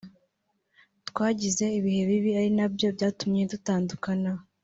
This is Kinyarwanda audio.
twagize ibihe bibi ari nabyo byatumye dutandukana”